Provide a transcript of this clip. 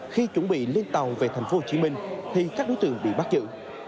khi chuẩn bị lên tàu về thành phố hồ chí minh thì các đối tượng bị bắt giữ